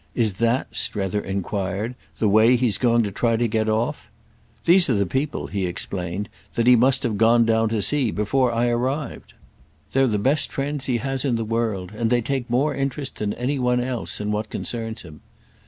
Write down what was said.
Is that," Strether enquired, "the way he's going to try to get off? These are the people," he explained, "that he must have gone down to see before I arrived. They're the best friends he has in the world, and they take more interest than any one else in what concerns him.